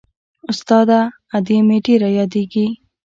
استاده ادې مې ډېره رايادېږي.